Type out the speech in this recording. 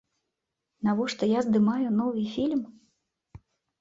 Навошта я здымаю новы фільм?